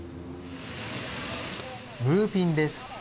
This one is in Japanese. ムーピンです。